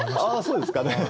そうですかね。